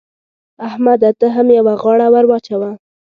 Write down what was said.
احمده! ته هم يوه غاړه ور واچوه.